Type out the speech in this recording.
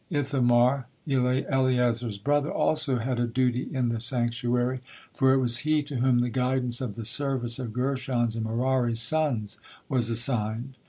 Ithamar, Eleazar's brother, also had a duty in the sanctuary, for it was he to whom the guidance of the service of Gershon's and Merari's sons was assigned.